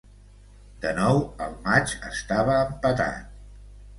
De nou, el matx estava empatat.